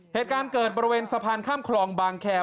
เหตุการณ์เกิดบริเวณสะพานข้ามคลองบางแคร์